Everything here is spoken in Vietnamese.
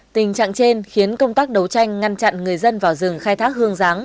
tình trạng trên khiến công tác đấu tranh ngăn chặn người dân vào rừng khai thác hương giáng